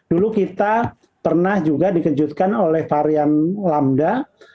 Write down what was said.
dulu kita pernah juga dikejutkan oleh varian lamda